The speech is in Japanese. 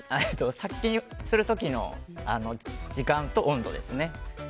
殺菌する時の時間と温度ですね。